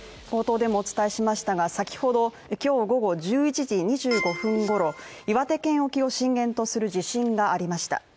冒頭でもお伝えしましたが先ほど午後１１時２５分ごろ岩手県沖を震源とする地震がありました。